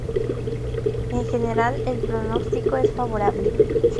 En general el pronóstico es favorable.